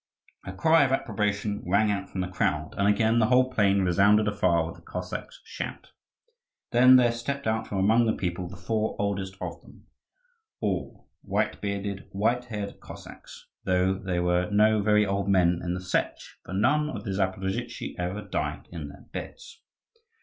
A cry of approbation rang out from the crowd, and again the whole plain resounded afar with the Cossacks' shout. Then there stepped out from among the people the four oldest of them all, white bearded, white haired Cossacks; though there were no very old men in the Setch, for none of the Zaporozhtzi ever died in their beds.